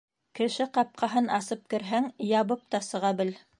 Кеше ҡапҡаһын асып керһәң, ябып та сыға бел.